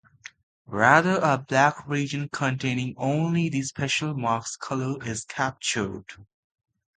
Rather, a blank region containing only the special mask color is captured.